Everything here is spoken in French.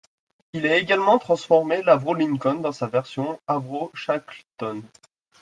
Il a également transformé l'Avro Lincoln dans sa version Avro Shackleton.